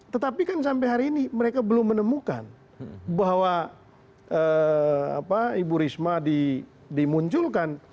tetapi kan sampai hari ini mereka belum menemukan bahwa ibu risma dimunculkan